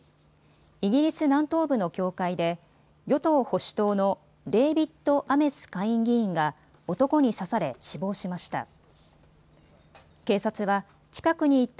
イギリス南東部の教会で与党保守党のデービッド・アメス下院議員が男に刺され死亡しました。